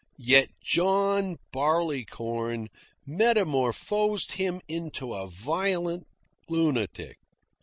Yet John Barleycorn metamorphosed him into a violent lunatic.